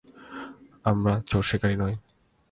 আমরা চোরা শিকারী নই।